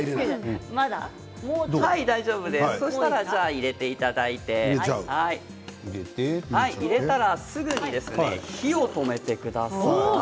もう入れていただいて入れたらすぐに火を止めてください。